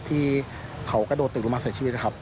ที่เขากระโดดตึกลงมาเสียชีวิตนะครับ